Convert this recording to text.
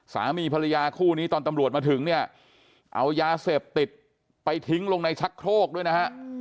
สามีภรรยาคู่นี้ตอนตำรวจมาถึงเนี่ยเอายาเสพติดไปทิ้งลงในชักโครกด้วยนะฮะ